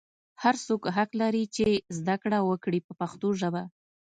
هر څوک حق لري چې زده کړه وکړي په پښتو ژبه.